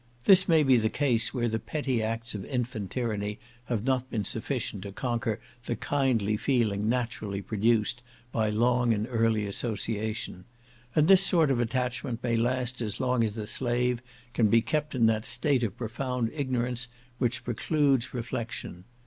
This may be the case where the petty acts of infant tyranny have not been sufficient to conquer the kindly feeling naturally produced by long and early association; and this sort of attachment may last as long as the slave can be kept in that state of profound ignorance which precludes reflection.